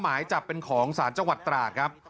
เก่าปีนของศาลจังหวัดตราดครับ